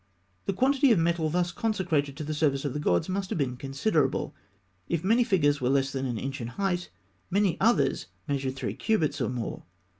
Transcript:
The quantity of metal thus consecrated to the service of the gods must have been considerable, If many figures were less than an inch in height, many others measured three cubits, or more.